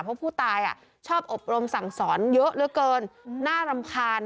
เพราะผู้ตายชอบอบรมสั่งสอนเยอะเหลือเกินน่ารำคาญ